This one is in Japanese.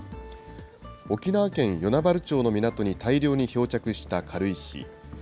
沖縄県与那原町の港に大量に漂着した軽石。